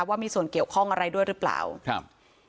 ว่ามีส่วนเกี่ยวข้องอะไรด้วยหรือเปล่าครับ